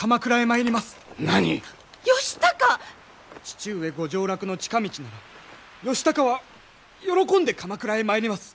父上ご上洛の近道なら義高は喜んで鎌倉へ参ります。